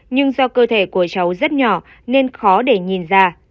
nhưng do cơ thể của cháu rất nhỏ nên khó để nhìn ra